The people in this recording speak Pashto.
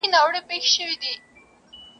ښکاري زرکه هم په نورو پسي ولاړه ..